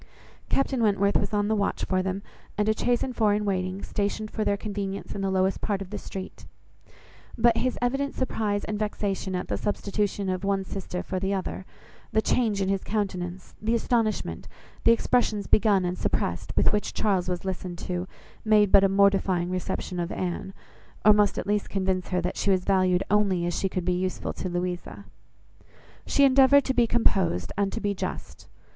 Captain Wentworth was on the watch for them, and a chaise and four in waiting, stationed for their convenience in the lowest part of the street; but his evident surprise and vexation at the substitution of one sister for the other, the change in his countenance, the astonishment, the expressions begun and suppressed, with which Charles was listened to, made but a mortifying reception of Anne; or must at least convince her that she was valued only as she could be useful to Louisa. She endeavoured to be composed, and to be just.